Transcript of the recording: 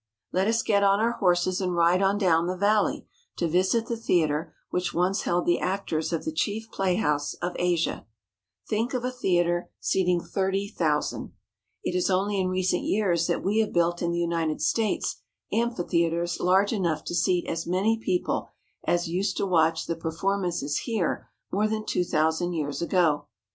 Let us get on our horses and ride on down the valley to visit the theatre which once held the actors of the chief playhouse of Asia. Think of a theatre seating thirty 264 THE SHRINE OF DIANA OF THE EPHESIANS thousand. It is only in recent years that we have built in the United States amphitheatres large enough to seat as many people as used to watch the performances here more than two thousand years ago.